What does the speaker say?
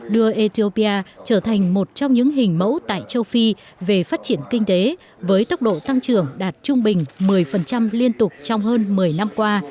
đưa ethiopia trở thành một trong những hình mẫu tại châu phi về phát triển kinh tế với tốc độ tăng trưởng đạt trung bình một mươi liên tục trong hơn một mươi năm qua